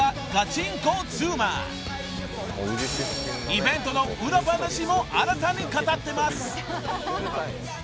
［イベントの裏話も新たに語ってます］